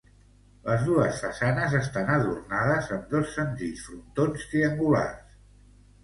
Les dos façanes estan adornades amb dos senzills frontons triangulars.